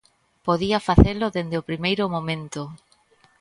Podía facelo dende o primeiro momento.